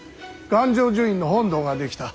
願成就院の本堂が出来た。